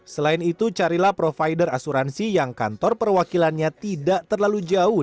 selain itu carilah provider asuransi yang kantor perwakilannya tidak terlalu jauh